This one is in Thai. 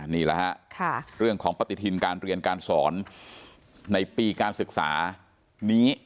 นี่แหละฮะเรื่องของปฏิทินการเรียนการสอนในปีการศึกษานี้